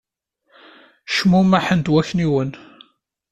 Cmummḥen-d wakniwen.